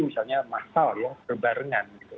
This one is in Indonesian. misalnya masal ya berbarengan gitu